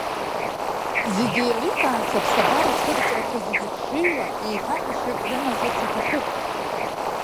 Зегьы еиликаарц, аԥсабаратә цәырҵрақәа зегь хшыҩла еиҭаҳәашьак рымазарц иҭахуп.